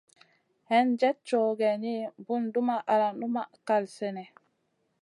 Hinjèd cow geyni, bùn dumʼma al numʼma na kal sènèh.